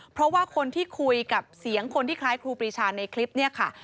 เพราะว่าคนที่คุยกับเสียงคนที่คล้ายครูปรีชาในคลิปนี้ค่ะ